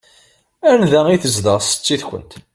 Anda i tezdeɣ setti-tkent?